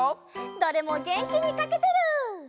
どれもげんきにかけてる！